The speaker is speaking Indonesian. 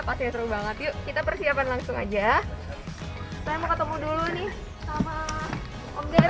pasti seru banget yuk kita persiapan langsung aja saya mau ketemu dulu nih sama enggak